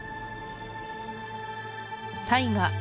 大河